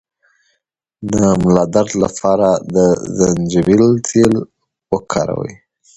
د ملا درد لپاره د زنجبیل تېل وکاروئ